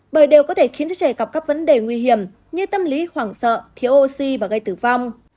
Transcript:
bởi đều có thể khiến trẻ gặp các vấn đề nguy hiểm như tâm lý hoảng sợ thiếu oxy và gây tử vong